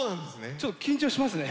ちょっと緊張しますね。